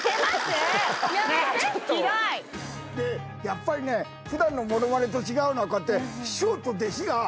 やっぱりね普段のモノマネと違うのはこうやって。